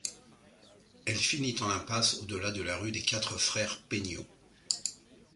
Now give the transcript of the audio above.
Elle finit en impasse au-delà de la rue des Quatre-Frères-Peignot.